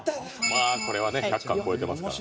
まあこれはね１００巻超えてますから。